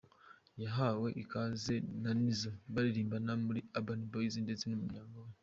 Yahawe ikaze na Nizzo baririmbana muri Urban Boys ndetse n’ umuryango we.